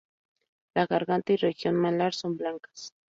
La garganta y región malar son blancas.